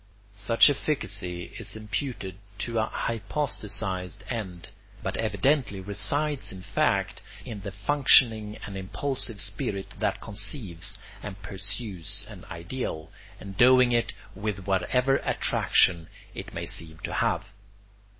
Such efficacy is imputed to a hypostasised end, but evidently resides in fact in the functioning and impulsive spirit that conceives and pursues an ideal, endowing it with whatever attraction it may seem to have.